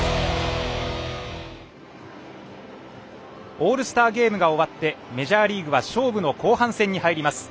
オールスターゲームが終わってメジャーリーグは勝負の後半戦に入ります。